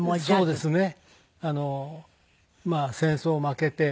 そうですよね。